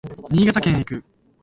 新潟県へ行く